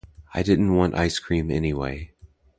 I didn't want ice cream anyway.